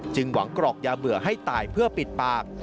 หวังกรอกยาเบื่อให้ตายเพื่อปิดปาก